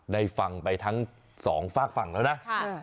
ได้ฟังไปทั้งสองฝากฝั่งแล้วนะ